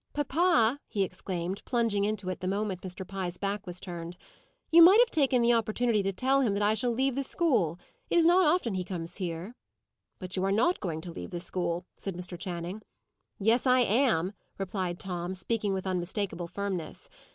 "Papa!" he exclaimed, plunging into it the moment Mr. Pye's back was turned, "you might have taken the opportunity to tell him that I shall leave the school. It is not often he comes here." "But you are not going to leave the school," said Mr. Channing. "Yes, I am," replied Tom, speaking with unmistakable firmness.